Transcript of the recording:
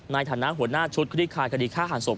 ในฐานะหัวหน้าชุดคลี่คายคดีฆ่าหันศพ